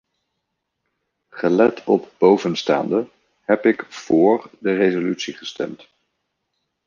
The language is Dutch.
Gelet op bovenstaande heb ik voor de resolutie gestemd.